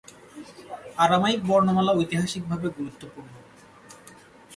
Aramaic বর্ণমালা ঐতিহাসিকভাবে গুরুত্বপূর্ণ।